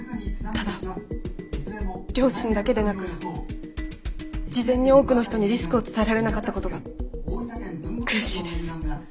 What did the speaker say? ただ両親だけでなく事前に多くの人にリスクを伝えられなかったことが悔しいです。